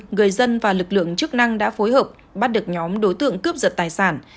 người dân và lực lượng chức năng đã phối hợp bắt được nhóm đối tượng cướp giật tài sản